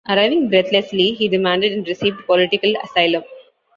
Arriving breathlessly, he demanded and received political asylum.